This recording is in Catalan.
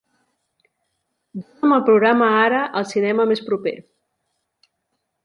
Dona'm el programa ara al cinema més proper.